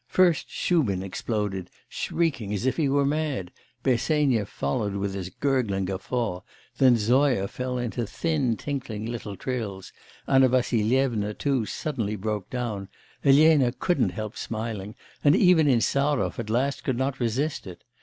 First Shubin exploded, shrieking as if he were mad, Bersenyev followed with his gurgling guffaw, then Zoya fell into thin tinkling little trills, Anna Vassilyevna too suddenly broke down, Elena could not help smiling, and even Insarov at last could not resist it.